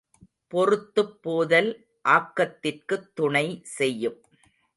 பொறுத்துப் போதல் ஆக்கத்திற்குத் துணை செய்யும்.